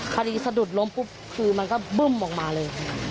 สะดุดล้มปุ๊บคือมันก็บึ้มออกมาเลย